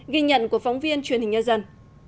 ghi nhận của phóng viên truyền hình nhân dân